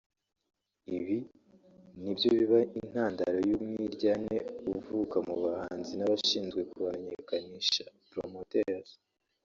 Ibi ni byo biba intandaro y’umwiryane uvuka mu bahanzi n’abashinzwe kubamenyekanisha (promoters)